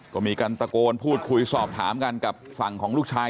ก็มีการตะโกนพูดคุยสอบถามกันกับฝั่งของลูกชาย